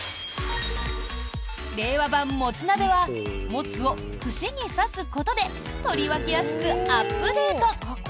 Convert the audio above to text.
令和版モツ鍋はモツを串に刺すことで取り分けやすくアップデート。